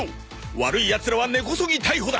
悪い奴らは根こそぎ逮捕だ